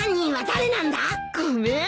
ごめん。